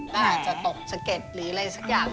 ก็อาจจะตกสะเก็ดหรืออะไรสักอย่าง